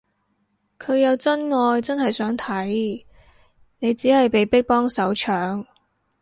佢有真愛真係想睇，你只係被逼幫手搶